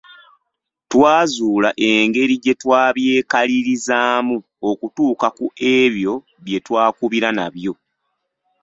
Twazuula engeri gye twabyekalirizaamu okutuuka ku ebyo bye twakubira nabyo.